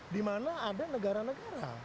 di mana ada negara negara